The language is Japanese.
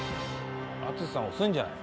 淳さん遅いんじゃない？